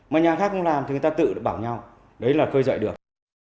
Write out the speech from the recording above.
mà nhà khác không làm thì người ta tự bảo nhau đấy là khơi dậy được